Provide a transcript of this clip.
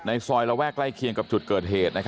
ซอยระแวกใกล้เคียงกับจุดเกิดเหตุ